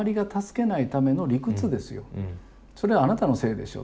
それあなたのせいでしょう